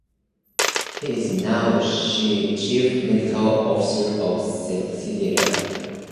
He is now Chief Medical Officer of Celera.